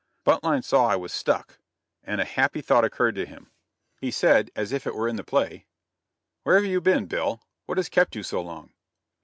Buntline saw I was "stuck," and a happy thought occurred to him. He said as if it were in the play: "Where have you been, Bill? What has kept you so long?"